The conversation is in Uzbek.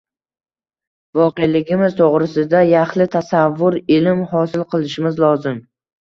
voqeligimiz to‘g‘risida yaxlit tasavvur – ilm hosil qilishimiz lozim.